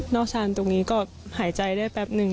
ชานตรงนี้ก็หายใจได้แป๊บนึง